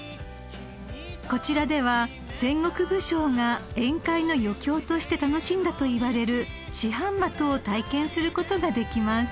［こちらでは戦国武将が宴会の余興として楽しんだといわれる四半的を体験することができます］